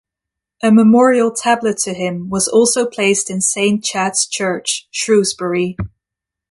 A memorial tablet to him was also placed in Saint Chad's Church, Shrewsbury.